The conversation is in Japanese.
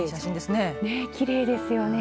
きれいですよね。